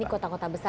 ini kota kota besar